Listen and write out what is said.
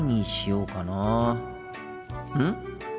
うん？